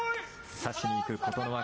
差しにいく、琴ノ若。